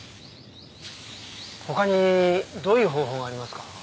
他にどういう方法がありますか？